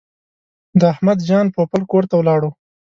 د احمد جان پوپل کور ته ولاړو.